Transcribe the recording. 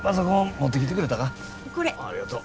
おっありがとう。